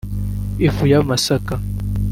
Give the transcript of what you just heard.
ifu y’amasaka